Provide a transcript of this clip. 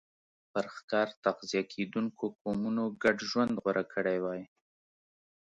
پر ښکار تغذیه کېدونکو قومونو ګډ ژوند غوره کړی وای.